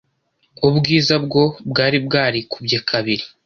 ubwiza bwo bwari bwarikubye kabiri.